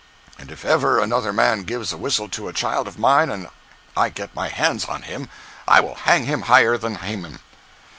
And if ever another man gives a whistle to a child of mine and I get my hands on him, I will hang him higher than Haman!